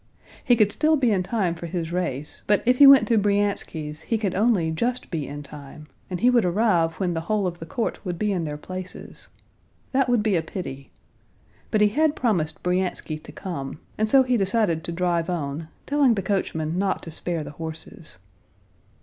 He could still be in time for his race, but if he went to Bryansky's he could only just be in time, and he would arrive when the whole of the court would be in their places. That would be a pity. But he had promised Bryansky to come, and so he decided to drive on, telling the coachman not to spare the horses.